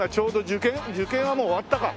受験はもう終わったか。